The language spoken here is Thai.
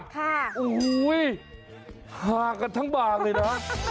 โอ้โหฮากันทั้งบางเลยนะ